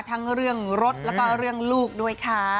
ทั้งเรื่องรถแล้วก็เรื่องลูกด้วยค่ะ